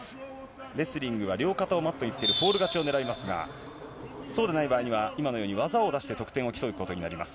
レスリングは両肩をマットにつけるフォール勝ちを狙いますが、そうでない場合には今のように技を出して得点を競うことになります。